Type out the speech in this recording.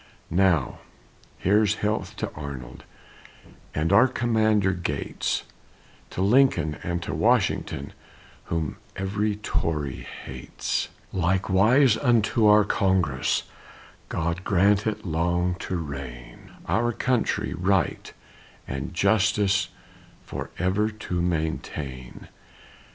Now here's a health to Arnold, And our commander Gates, To Lincoln and to Washington, Whom every Tory hates; Likewise unto our Congress, God grant it long to reign; Our Country, Right, and Justice Forever to maintain.